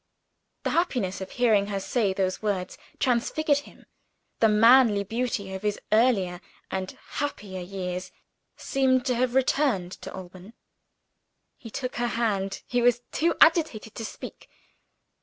The happiness of hearing her say those words transfigured him the manly beauty of his earlier and happier years seemed to have returned to Alban. He took her hand he was too agitated to speak.